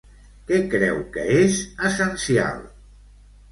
Què creu que és essencial?